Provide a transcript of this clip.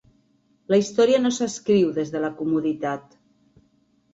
La història no s’escriu des de la comoditat.